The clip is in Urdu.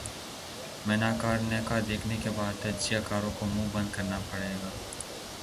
منیکارنیکا دیکھنے کے بعد تجزیہ کاروں کو منہ بند کرنا پڑے گا کنگنا